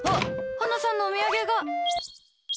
ハナさんのお土産が。